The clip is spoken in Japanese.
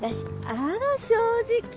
あら正直。